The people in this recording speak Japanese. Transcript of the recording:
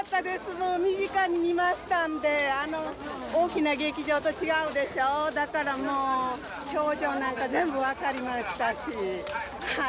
もう身近に見ましたんであの大きな劇場と違うでしょだからもう表情なんか全部分かりましたしはい。